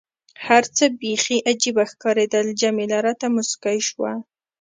هر څه بیخي عجيبه ښکارېدل، جميله راته موسکۍ شوه.